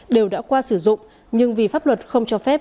đều đã qua sử dụng nhưng vì pháp luật không cho phép